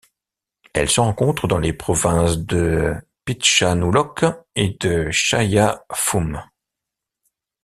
Elle se rencontre dans les provinces de Phitsanulok et de Chaiyaphum.